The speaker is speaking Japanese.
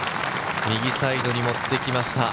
右サイドに持ってきました。